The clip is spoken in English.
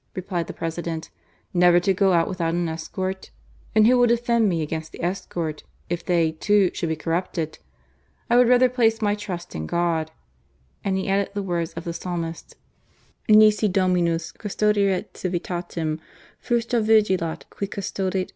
replied the President. " Never to go out without an escort." "And who will defend me against the escort, if they, too, should be corrupted ? I would rather place my trust in God, And he added the words of the Psalmist : Nisi Dominus custodierit civitatem, friistra vigilat qui custodit earn.